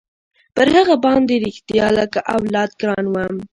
پر هغه باندې رښتيا لکه اولاد ګران وم.